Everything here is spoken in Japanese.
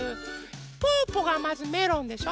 ぽぅぽがまずメロンでしょ。